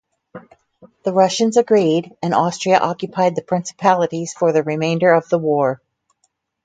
The Russians agreed, and Austria occupied the Principalities for the remainder of the war.